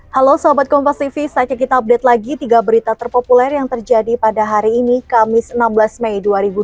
halo sahabat kompas tv selanjutnya kita update lagi tiga berita terpopuler yang terjadi pada hari ini kamis enam belas mei dua ribu dua puluh